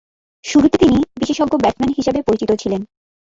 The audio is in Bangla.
শুরুতে তিনি বিশেষজ্ঞ ব্যাটসম্যান হিসেবে পরিচিত ছিলেন।